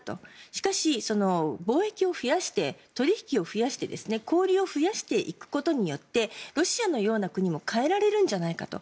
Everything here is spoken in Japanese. しかし、貿易を増やして取引を増やして交流を増やしていくことによってロシアのような国も変えられるんじゃないかと。